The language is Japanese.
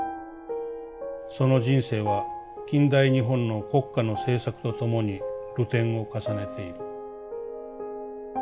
その人生は近代日本の国家の政策とともに流転を重ねている。